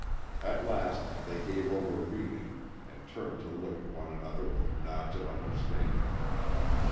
At last they gave over reading and turned to look at one another with nods of understanding.